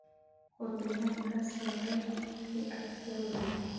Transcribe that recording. خو درېم کس يا ډلې ته پکې اړتيا وي.